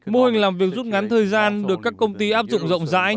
mô hình làm việc rút ngắn thời gian được các công ty áp dụng rộng rãi